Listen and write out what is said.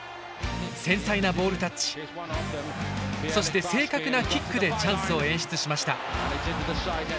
繊細なボールタッチそして正確なキックでチャンスを演出しました。